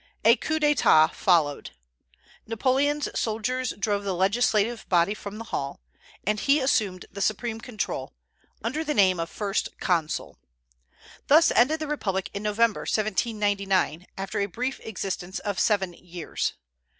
A coup d'état followed. Napoleon's soldiers drove the legislative body from the hall, and he assumed the supreme control, under the name of First Consul. Thus ended the Republic in November, 1799, after a brief existence of seven years.